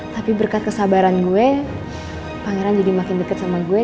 tapi berkat kesabaran gue pangeran jadi makin dekat sama gue